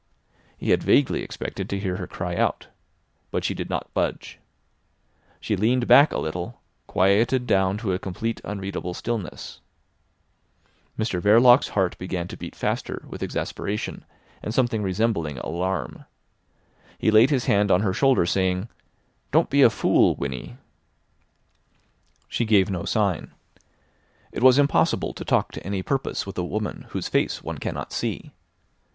He had vaguely expected to hear her cry out. But she did not budge. She leaned back a little, quieted down to a complete unreadable stillness. Mr Verloc's heart began to beat faster with exasperation and something resembling alarm. He laid his hand on her shoulder, saying: "Don't be a fool, Winnie." She gave no sign. It was impossible to talk to any purpose with a woman whose face one cannot see.